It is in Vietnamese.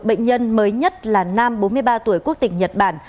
bệnh nhân mới nhất là nam bốn mươi ba tuổi quốc tịch nhật bản